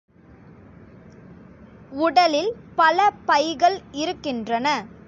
உடலில் பல பைகள் இருக்கின்றன.